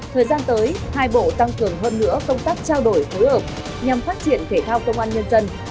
thời gian tới hai bộ tăng cường hơn nữa công tác trao đổi phối hợp nhằm phát triển thể thao công an nhân dân